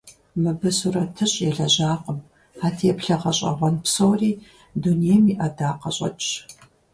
Мыбы сурэтыщӀ елэжьакъым; а теплъэ гъэщӀэгъуэн псори дунейм и ӀэдакъэщӀэкӀщ.